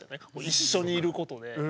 一緒にいることで。